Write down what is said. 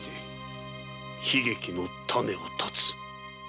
悲劇の種を断つ！